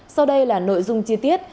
sau đây là nội dung chi tiết